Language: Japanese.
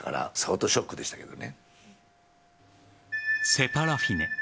セ・パ・ラフィネ